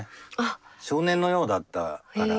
少年のようだったから。